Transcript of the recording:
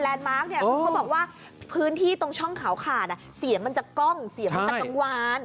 เขาบอกว่าพื้นที่ตรงช่องเขาขาดเสียงมันจะกล้องเสียงมันจะกังวาน